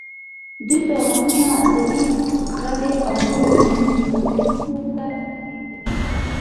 دوی پیغامونه عضلې، غدې او نورو نیورونونو ته لېږدوي.